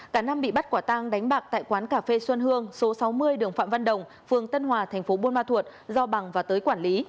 cả năm bị bắt quả tang đánh bạc tại quán cà phê xuân hương số sáu mươi đường phạm văn đồng phường tân hòa thành phố buôn ma thuột do bằng và tới quản lý